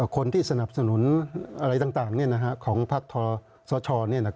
คนที่สนับสนุนอะไรต่างของพักทศช